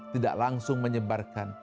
tidak langsung menyebarkan